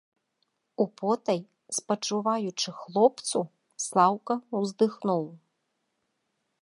Употай спачуваючы хлопцу, Слаўка ўздыхнуў.